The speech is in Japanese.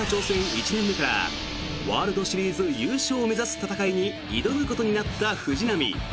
１年目からワールドシリーズ優勝を目指す戦いに挑むことになった藤浪。